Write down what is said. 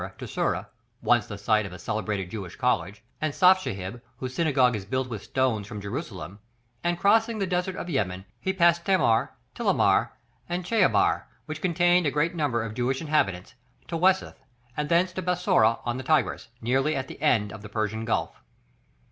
to Sura, once the site of a celebrated Jewish college, and Shafjathib, whose synagogue is built with stones from Jerusalem, and crossing the desert of Yemen he passed Themar, Tilimar, and Chaibar which contained a great number of Jewish inhabitants, to Waseth; and thence to Bassorah on the Tigris, nearly at the end of the Persian Gulf.